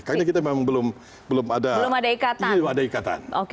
karena kita memang belum ada ikatan